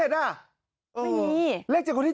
วันนี้